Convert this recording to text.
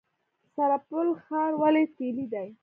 سرپل ښار ولې تیلي دی؟